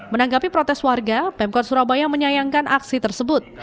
menanggapi protes warga pemkot surabaya menyayangkan aksi tersebut